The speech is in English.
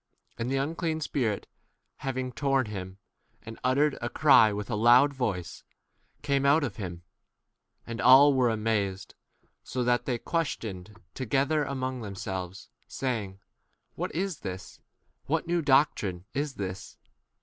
And the unclean spirit, having torn him, and uttered a cry with a loud voice, came out 2 ? of him. And all were amazed, so that they questioned together a mong themselves, saying, What is this? what new doctrine is this